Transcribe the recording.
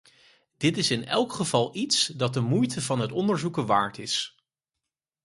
Dit is in elk geval iets dat de moeite van het onderzoeken waard is.